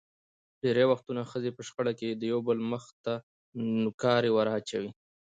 ډېری وختونه ښځې په شخړو کې یو دبل مخ ته نوکارې ور اچوي.